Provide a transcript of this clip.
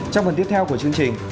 trong phần tiếp theo của chương trình